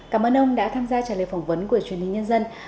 cảm ơn ông đã tham gia trả lời phỏng vấn của truyền hình nhân dân